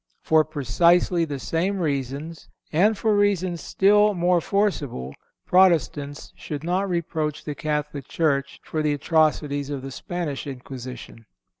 For precisely the same reasons, and for reasons still more forcible, Protestants should not reproach the Catholic Church for the atrocities of the Spanish Inquisition.